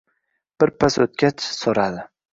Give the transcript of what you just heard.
Bir pas o'tgach, so'radi: